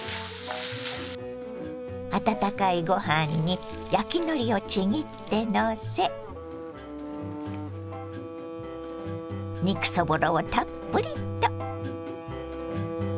温かいご飯に焼きのりをちぎってのせ肉そぼろをたっぷりと。